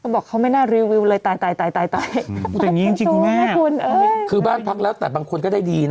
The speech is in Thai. บอกเขาไม่น่ารีวิวเลยตายตายตายตายตายอืมแต่งงี้จริงจริงแม่คือบ้านพักแล้วแต่บางคนก็ได้ดีนะ